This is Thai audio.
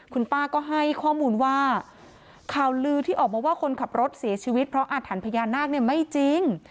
คุณป้าก็ให้ข้อมูลว่าข่าวลือที่ออกมาว่าคนขับรถเสียชีวิตเพราะอาถรรพ์พญานาคเนี่ยไม่จริง